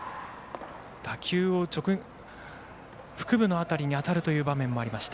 打球を腹部の辺りに当たるという場面もありました。